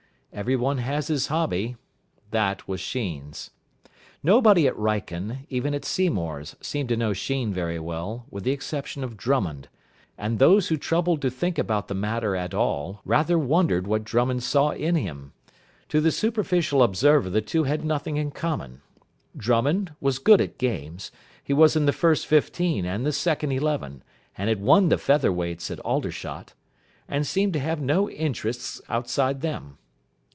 Everyone has his hobby. That was Sheen's. Nobody at Wrykyn, even at Seymour's, seemed to know Sheen very well, with the exception of Drummond; and those who troubled to think about the matter at all rather wondered what Drummond saw in him. To the superficial observer the two had nothing in common. Drummond was good at games he was in the first fifteen and the second eleven, and had won the Feather Weights at Aldershot and seemed to have no interests outside them.